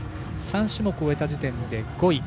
３種目終えた時点で５位。